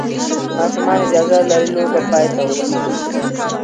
ماشومان اجازه لري لوبه پای ته ورسوي.